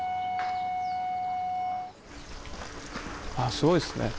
すごいですね。